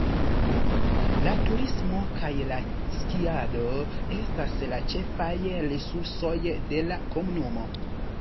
La turismo kaj la skiado estas la ĉefaj resursoj de la komunumo.